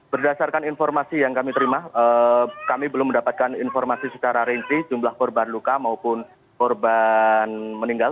berdasarkan informasi yang kami terima kami belum mendapatkan informasi secara rinci jumlah korban luka maupun korban meninggal